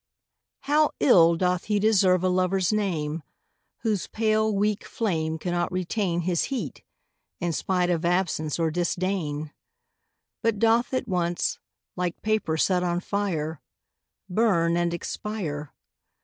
HOW ill doth lie deserve a Lover's name Whose pale weak flame Cannot retain His heat, in spite of absence or disdain ; But doth at once, like paper set on fire, Burn and expire